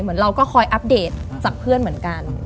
เหมือนเราก็คอยอัปเดตจากเพื่อนเหมือนกัน